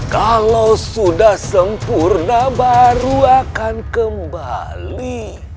kalau sudah sempurna baru akan kembali